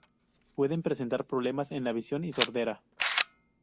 Pueden presentar problemas en la visión y sordera.